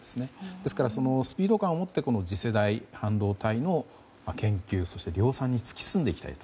ですから、スピード感を持って次世代半導体の研究、そして量産に突き進んでいきたいと。